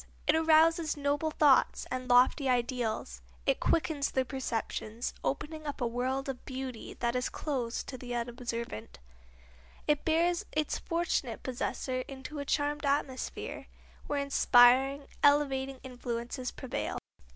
It arouses noble thoughts and lofty ideals; it quickens the perceptions, opening up a world of beauty that is closed to the unobservant; it bears its fortunate possessor into a charmed atmosphere, where inspiring, elevating influences prevail.